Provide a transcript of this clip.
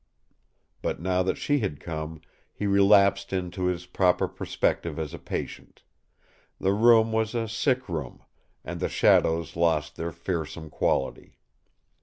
But now that she had come, he relapsed into his proper perspective as a patient; the room was a sick room, and the shadows lost their fearsome quality.